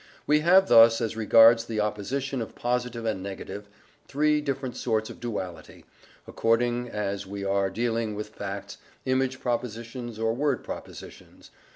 We have thus, as regards the opposition of positive and negative, three different sorts of duality, according as we are dealing with facts, image propositions, or word propositions.